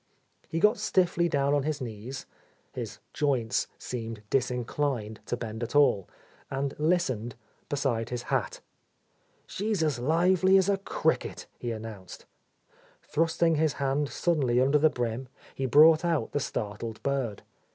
He got stiffly down on his knees, — his joints seemed disinclined to bend at all, — and listened beside his hat. "She's as lively as a cricket," he announced. Thrusting his hand suddenly under the brim, he brought out the startled bird.